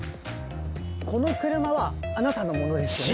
この車はあなたのものですよね？